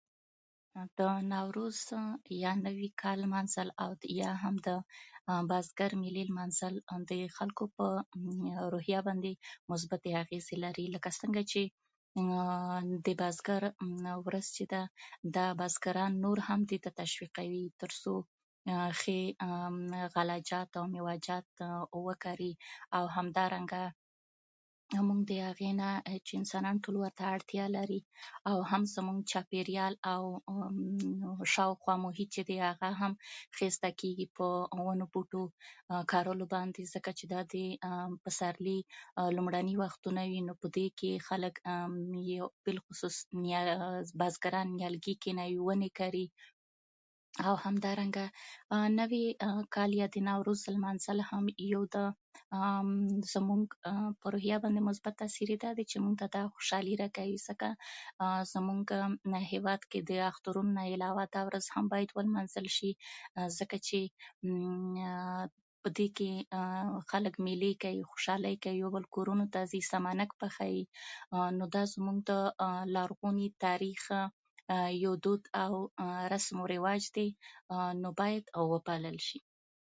د جام منار هم لکه د هيواد د نورو لسګونو اثارو په شان ځانګړی تاريخي او کلتوري ارزښت لري